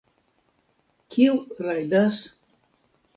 Kiu rajdas?